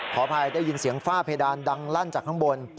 ขออภัยได้ยินเสียงฝ้าเพดานดังลั่นจากข้างบน